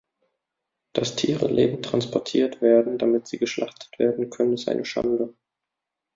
Dass Tiere lebend transportiert werden, damit sie geschlachtet werden können, ist eine Schande.